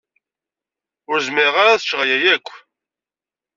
Ur zmireɣ ara ad ččeɣ aya akk.